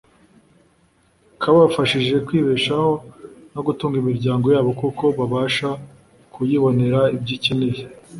kabafashije kwibeshaho no gutunga imiryango yabo kuko babasha kuyibonera ibyo ikeneye